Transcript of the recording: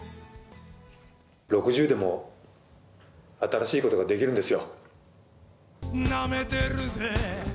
６０でも新しいことができるんですよ。